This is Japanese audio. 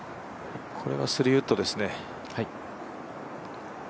これは３ウッドですね。